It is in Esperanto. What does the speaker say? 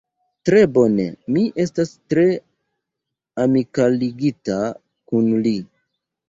Tre bone; mi estas tre amikalligita kun li.